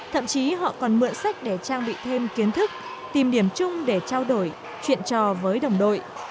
thậm chí họ còn mượn sách để trang bị thêm kiến thức tìm điểm chung để trao đổi chuyện trò với đồng đội